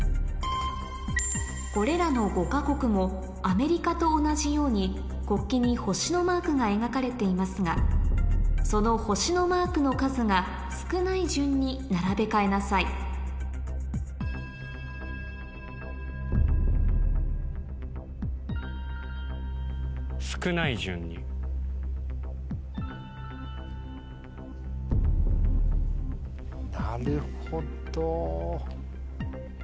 これらの５か国もアメリカと同じように国旗に星のマークが描かれていますがその星のマークの数が少ない順に並べ替えなさいなるほど。